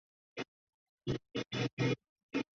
在澳大拉西亚主要分布于北部的半干旱地带。